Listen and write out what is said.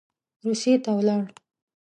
روسیې ته ولاړ.